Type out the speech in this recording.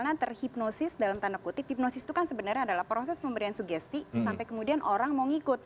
jadi hipnosis dalam tanda putih hipnosis itu kan sebenarnya adalah proses pemberian sugesti sampai kemudian orang mau ngikut